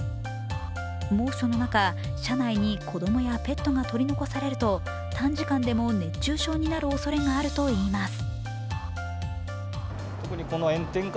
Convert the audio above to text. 猛暑の中、車内に子供やペットが取り残されると短時間でも熱中症になるおそれがあるといいます。